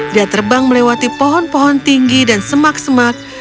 dia terbang melewati pohon pohon tinggi dan semak semak